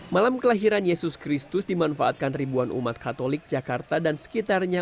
malam kelahiran yesus kristus dimanfaatkan ribuan umat katolik jakarta dan sekitarnya